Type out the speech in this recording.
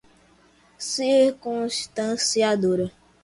circunstanciada